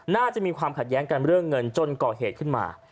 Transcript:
น่าจะมีความขัดแย้งกันเรื่องเงินจนก่อเหตุขึ้นมา